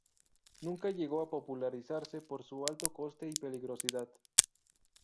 Nunca llegó a popularizarse por su alto coste y peligrosidad.